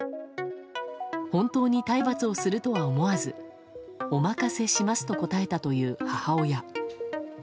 本当に体罰をするとは思わずお任せしますと答えたという母親。